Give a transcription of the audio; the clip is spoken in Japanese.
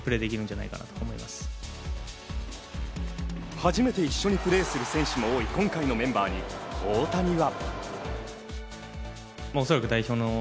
初めて一緒にプレーすることも多い今回のメンバーに大谷は。